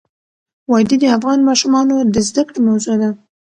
وادي د افغان ماشومانو د زده کړې موضوع ده.